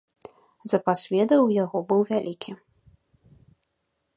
Запас ведаў у яго быў вялікі.